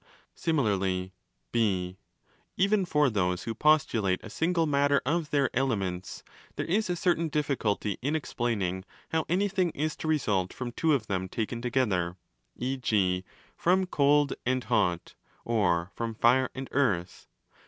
Similarly (Ὁ) even for those who' postulate a single matter of their 'elements' there is a certain difficulty in explaining how anything is to result from two of them taken together—e.g. from 'cold' and 'hot', or from Fire and Earth.